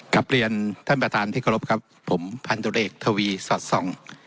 กลับเรียนท่านประธานที่เคารพครับผมพันธุรกิจเอกทวีสอดส่อง